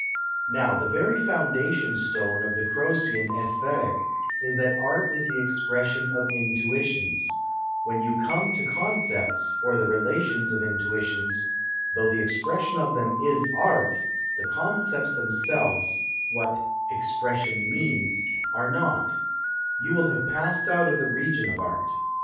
Now the very foundation stone of the Croccan ffisthetic is that art is the expression of intuitions ; when you come to concepts, or the relations of intuitions, though the expression of them is art, the concepts themselves (what " expression means ") arc not ; you will have passed out of the region of art.